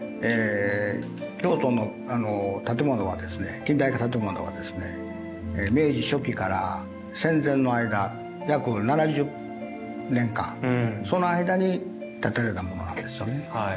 京都の建物は近代化されているものは明治初期から戦前の間約７０年間その間に建てられたものなんですよね。